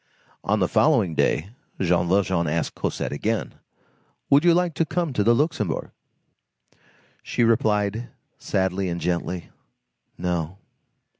On the following day, Jean Valjean asked Cosette again:— "Would you like to come to the Luxembourg?" She replied, sadly and gently:— "No."